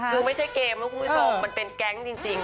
คือไม่ใช่เกมไม่คงไม่สบมันเป็นแก๊งจริง